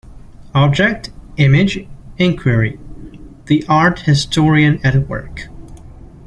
Object, image, inquiry: The art historian at work.